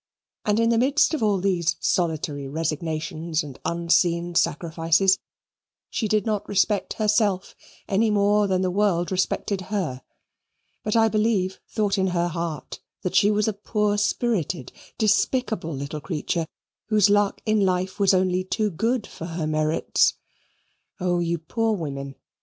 And in the midst of all these solitary resignations and unseen sacrifices, she did not respect herself any more than the world respected her, but I believe thought in her heart that she was a poor spirited, despicable little creature, whose luck in life was only too good for her merits. O you poor women!